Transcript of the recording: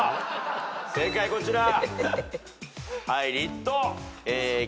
正解こちら。